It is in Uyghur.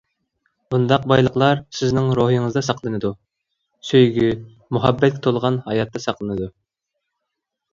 بۇنداق بايلىقلار سىزنىڭ روھىڭىزدا ساقلىنىدۇ، سۆيگۈ-مۇھەببەتكە تولغان ھاياتتا ساقلىنىدۇ.